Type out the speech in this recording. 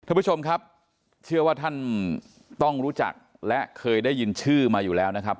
ท่านผู้ชมครับเชื่อว่าท่านต้องรู้จักและเคยได้ยินชื่อมาอยู่แล้วนะครับ